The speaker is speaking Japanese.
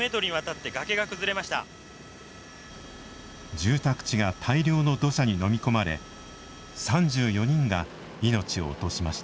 住宅地が大量の土砂にのみ込まれ３４人が命を落としました。